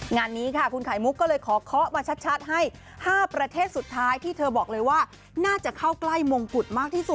งานนี้ค่ะคุณไข่มุกก็เลยขอเคาะมาชัดให้๕ประเทศสุดท้ายที่เธอบอกเลยว่าน่าจะเข้าใกล้มงกุฎมากที่สุด